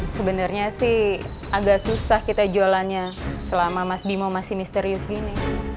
sebenarnya sih agak susah kita jualannya selama mas bimo masih misterius gini